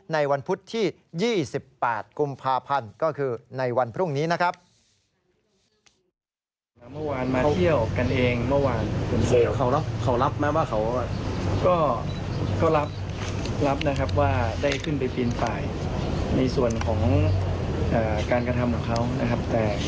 ในวันพุธที่๒๘กุมภาพันธ์ก็คือในวันพรุ่งนี้นะครับ